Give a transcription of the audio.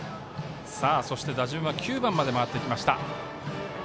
そして、打順は９番まで回ってきました。